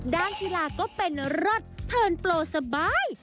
ด้านฮิลาก็เป็นรอดเพิ่นโปรสบาย